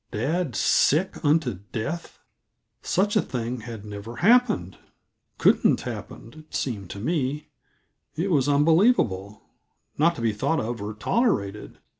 Dad sick unto death? Such a thing had never happened couldn't happen, it seemed to me. It was unbelievable; not to be thought of or tolerated.